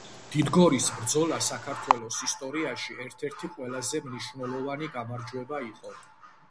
დიდგორის ბრძოლა საქართველოს ისტორიაში ერთ-ერთი ყველაზე მნიშვნელოვანი გამარჯვება იყო